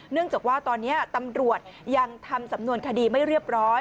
เนื่องจากว่าตอนนี้ตำรวจยังทำสำนวนคดีไม่เรียบร้อย